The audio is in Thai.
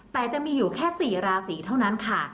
แต่จะมีอยู่แค่๔ราศีเท่านั้นค่ะ